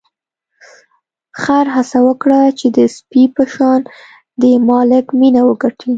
خر هڅه وکړه چې د سپي په شان د مالک مینه وګټي.